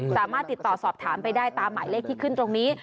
สามารถติดต่อสอบถามไปได้ตามหมายเลขที่ขึ้นตรงนี้